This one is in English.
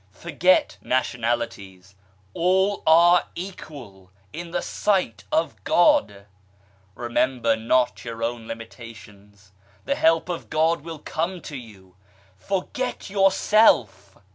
Forget nationalities ; all are equal in the sight of God I Remember not your own limitations ; the help of God will come to you. Forget yourself.